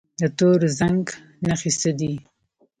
د تور زنګ نښې څه دي؟